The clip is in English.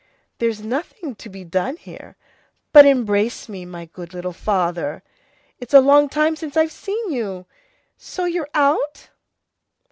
There's nothing to be done here. But embrace me, my good little father! It's a long time since I've seen you! So you're out?"